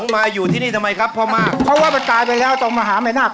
มาอยู่ที่นี่ทำไมครับพ่อมากเพราะว่ามันตายไปแล้วตรงมหาแม่นาค